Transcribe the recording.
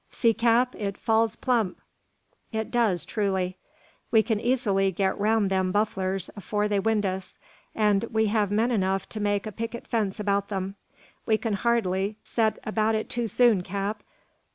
"See, cap, it falls plump!" "It does, truly." "We kin easily git roun' them bufflers afore they wind us; an' we hev men enough to make a picket fence about them. We can hardly set about it too soon, cap.